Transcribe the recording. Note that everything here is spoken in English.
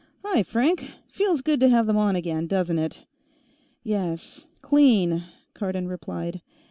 "Hi, Frank. Feels good to have them on again, doesn't it?" "Yes. Clean," Cardon replied.